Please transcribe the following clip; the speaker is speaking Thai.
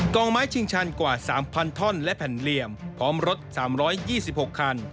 องไม้ชิงชันกว่า๓๐๐ท่อนและแผ่นเหลี่ยมพร้อมรถ๓๒๖คัน